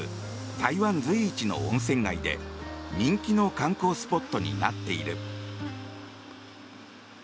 台湾随一の温泉街で人気の観光スポットになっている。